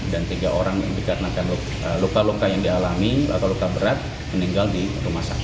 dan tiga orang yang dikarenakan luka luka yang dialami atau luka berat meninggal di rumah sakit